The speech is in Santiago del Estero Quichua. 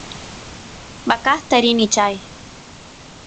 vacasta rini chay